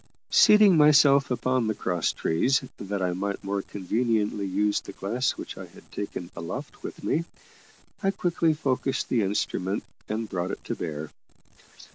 Seating myself upon the cross trees, that I might more conveniently use the glass which I had taken aloft with me, I quickly focussed the instrument and brought it to bear.